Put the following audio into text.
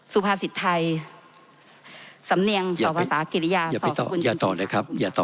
สุภาษิตไทยสำเนียงสวสาหกิริยาสคุณคุณชิคกี้พาย